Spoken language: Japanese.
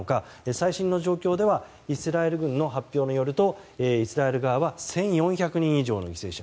最新状況ではイスラエル軍の発表によるとイスラエル側は１４００人以上の犠牲者。